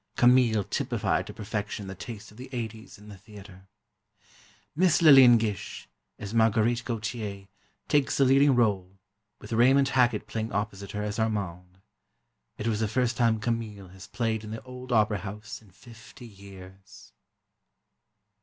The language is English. "Camille" typified to perfection the taste of the '80s in the theatre. Miss Lillian Gish, as Marguerite Gautier, takes the leading rôle, with Raymond Hackett playing opposite her as Armand. It was the first time "Camille" has played in the old opera house in fifty years.